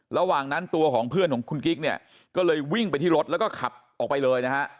ระหว่างนั้นตัวของเพื่อนของคุณกิ๊กเนี่ยก็เลยวิ่งไปที่รถแล้วก็ขับออกไปเลยนะฮะ